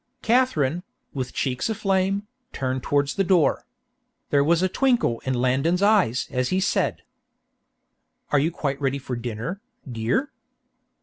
Katherine, with cheeks aflame, turned toward the door. There was a twinkle in Landon's eyes as he said: "Are you quite ready for dinner, dear?"